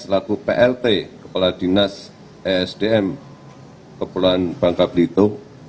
selaku plt kepala dinas esdm kepulauan bangka belitung